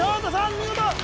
見事！